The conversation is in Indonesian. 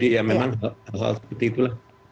ya ya jadi memang hal seperti itulah